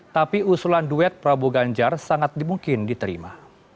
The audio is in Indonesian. tapi usulan duet prabowo ganjar sangat dimungkin diterima